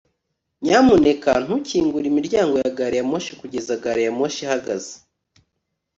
nyamuneka ntukingure imiryango ya gari ya moshi kugeza gari ya moshi ihagaze